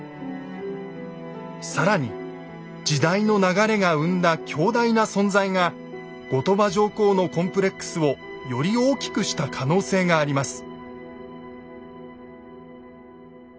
更に時代の流れが生んだ「強大な存在」が後鳥羽上皇のコンプレックスをより大きくした可能性があります。